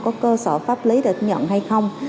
có cơ sở pháp lý để nhận hay không